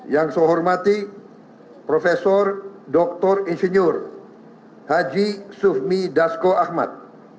yang saya hormati prof dr insinyur haji sufmi dasko ahmad